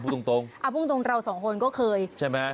ตรงตรงอ่าพูดตรงเราสองคนก็เคยใช่ไหม